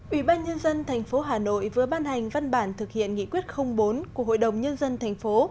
ủy ban nhân dân tp hà nội vừa ban hành văn bản thực hiện nghị quyết bốn của hội đồng nhân dân thành phố